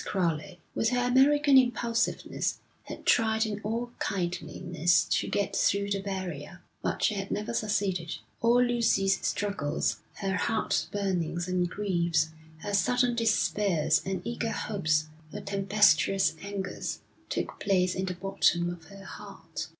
Crowley, with her American impulsiveness, had tried in all kindliness to get through the barrier, but she had never succeeded. All Lucy's struggles, her heart burnings and griefs, her sudden despairs and eager hopes, her tempestuous angers, took place in the bottom of her heart.